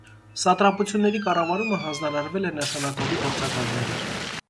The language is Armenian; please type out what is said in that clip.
Սատրապությունների կառավարումը հանձնարարվել է նշանակովի գործակալների։